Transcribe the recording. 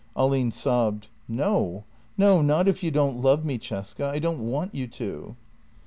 Ahlin sobbed: "No, no — not if you don't love me, Cesca; I don't want you to.